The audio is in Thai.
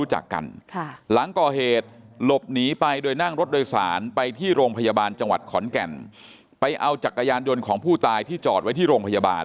หลังก่อเหตุหลบหนีไปโดยนั่งรถโดยสารไปที่โรงพยาบาลจังหวัดขอนแก่นไปเอาจักรยานยนต์ของผู้ตายที่จอดไว้ที่โรงพยาบาล